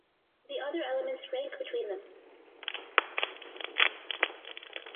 The other elements rank between them.